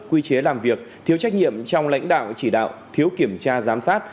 quy chế làm việc thiếu trách nhiệm trong lãnh đạo chỉ đạo thiếu kiểm tra giám sát